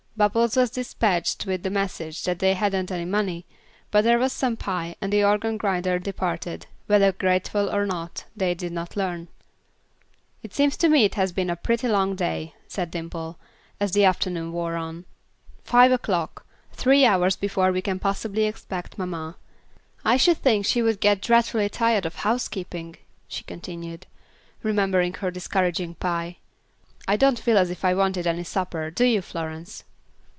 Bubbles was despatched with the message that they hadn't any money, but there was some pie, and the organ grinder departed, whether grateful or not, they did not learn. "It seems to me it has been a pretty long day," said Dimple, as the afternoon wore on. "Five o'clock. Three hours before we can possibly expect mamma. I should think she would get dreadfully tired of housekeeping," she continued, remembering her discouraging pie. "I don't feel as if I wanted any supper, do you, Florence?"